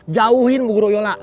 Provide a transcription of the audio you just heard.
jauhin bu guruyola